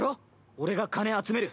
俺が金集める。